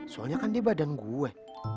soalnya kan di badan gue